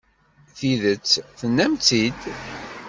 Tidet, tennam-tt-id.